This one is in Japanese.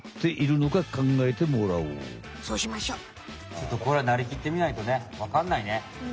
ちょっとこれはなりきってみないとねわかんないね。